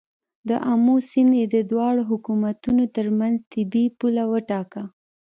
د آمو سیند یې د دواړو حکومتونو تر منځ طبیعي پوله وټاکه.